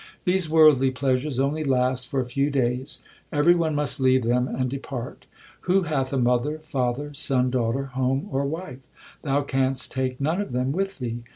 These worldly pleasures only last for a few days ; every one must leave them and depart. Who hath a mother, father, son, daughter, Home, or wife ? Thou canst take none of them with thee.